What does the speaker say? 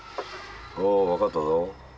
ああ分かったぞ。